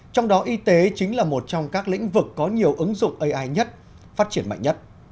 trong đó y tế chính là một trong các lĩnh vực có nhiều ứng dụng ai nhất phát triển mạnh nhất